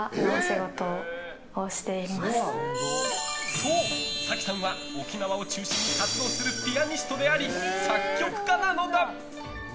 そう、咲希さんは沖縄を中心に活動するピアニストであり、作曲家なのだ。